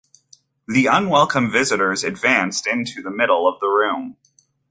The unwelcome visitors advanced into the middle of the room.